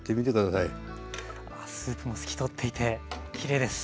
スープも透き通っていてきれいです。